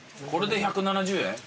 これで１７０円？